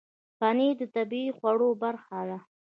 پنېر د طبیعي خوړو برخه ده.